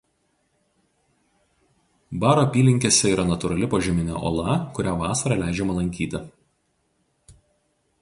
Baro apylinkėse yra natūrali požeminė ola kurią vasarą leidžiama lankyti.